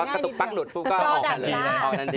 กระตุกปั๊กหลุดก็ออกไปเลย